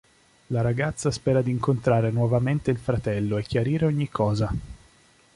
La ragazza spera di incontrare nuovamente il fratello e chiarire ogni cosa.